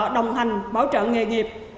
đồng hành bảo trợ nghề nghiệp